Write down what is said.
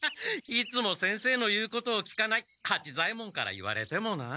いつも先生の言うことを聞かない八左ヱ門から言われてもな！